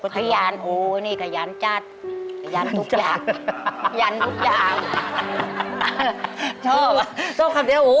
ดูแลซักเข้าไปอยู่